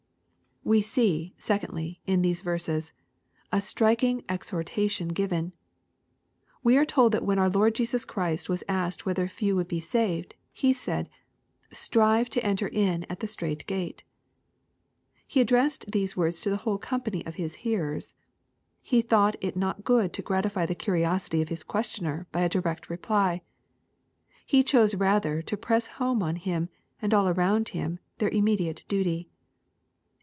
We see, secondly, in these verses, a striking exhortation given. We are told that when our Lord Jesus Christ was asked whether few would be saved, He said, "Strive to enter in at the strait gate.'' He addressed these words to the whole company of His hearers. He thought it not good to gratify the curiosity of his questioner by a direct reply. He chose rather to press home on him, and all around him, their own immediate duty.